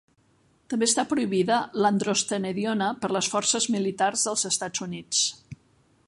També està prohibida l'androstenediona per les forces militars dels Estats Units.